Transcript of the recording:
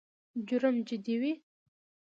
جرم جدي وي.